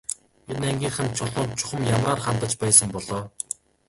Энэ ангийнхан Чулуунд чухам ямраар хандаж байсан бол оо.